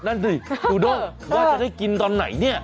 นั่นสิจูด้งว่าจะได้กินตอนไหนเนี่ย